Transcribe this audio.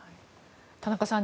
田中さん